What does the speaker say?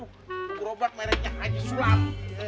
berubah mereknya haji sulam